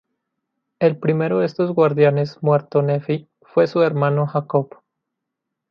El primero de estos guardianes, muerto Nefi, fue su hermano Jacob.